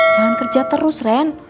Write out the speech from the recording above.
jangan kerja terus ren